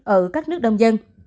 ở các nước đông dân